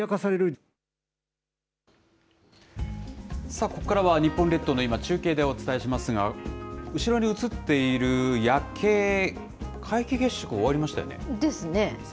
さあ、ここからは日本列島の今、中継でお伝えしますが、後ろに映っている夜景、皆既月食、ですね。